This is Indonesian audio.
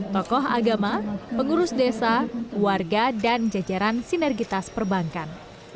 tokoh agama pengurus desa warga dan jajaran sinergitas perbankan